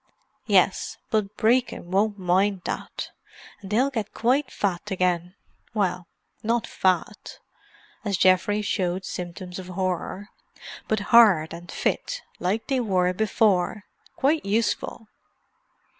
"Yes, but Brecon won't mind that. And they'll get quite fat again. Well, not fat—" as Geoffrey showed symptoms of horror—"but hard and fit, like they were before. Quite useful."